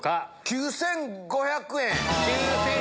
９５００円。